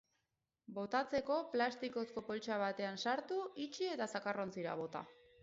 Botatzeko, plastikozko poltsa batean sartu, itxi eta zakarrontzira bota.